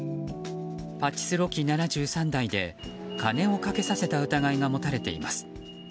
パチスロ機７３台で金をかけさせた疑いが持たれています。